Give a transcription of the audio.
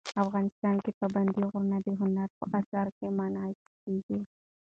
افغانستان کې پابندی غرونه د هنر په اثار کې منعکس کېږي.